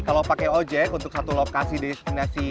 kalau pakai ojek untuk satu lokasi destinasi